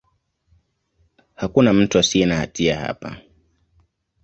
Hakuna mtu asiye na hatia hapa.